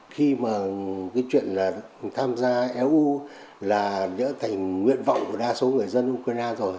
khi mà cái chuyện là tham gia eu là đã thành nguyện vọng của đa số người dân ukraine rồi